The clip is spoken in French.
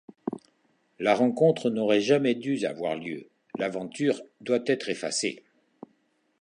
La rencontre n'aurait jamais dû avoir lieu, l'aventure doit être effacée.